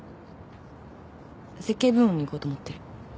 設計部門に行こうと思ってる。